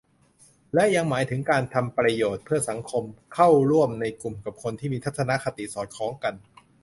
และยังหมายถึงการทำประโยชน์เพื่อสังคม เข้าร่วมในกลุ่มกับคนที่มีทัศนคติสอดคล้องกัน